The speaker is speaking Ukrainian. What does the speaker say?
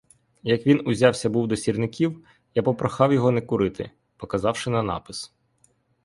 Як він узявся був до сірників, я попрохав його не курити, показавши на напис.